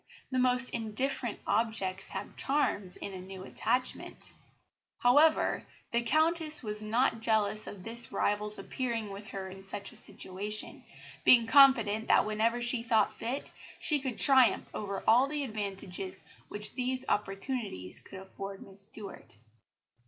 The most indifferent objects have charms in a new attachment; however, the Countess was not jealous of this rival's appearing with her in such a situation, being confident that whenever she thought fit, she could triumph over all the advantages which these opportunities could afford Miss Stuart."